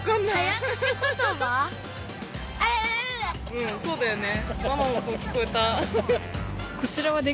うんそうだよね。